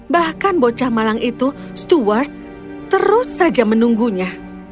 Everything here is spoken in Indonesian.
bahkan bocah malang itu stuward terus saja menunggunya